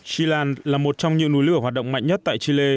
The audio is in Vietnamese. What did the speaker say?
chile là một trong nhiều núi lửa hoạt động mạnh nhất tại chile